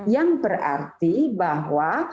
yang berarti bahwa